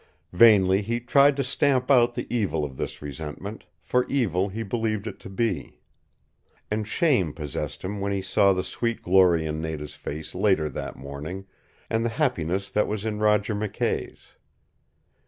Vainly he tried to stamp out the evil of this resentment, for evil he believed it to be. And shame possessed him when he saw the sweet glory in Nada's face later that morning, and the happiness that was in Roger McKay's.